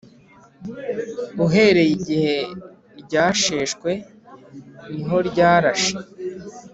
Uhereye igihe ryasheshwe niho ryarashe.